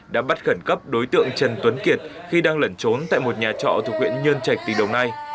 đã bắt khẩn cấp đối tượng trần tuấn kiệt khi đang lẩn trốn tại một nhà trọ thuộc huyện nhơn trạch tỉnh đồng nai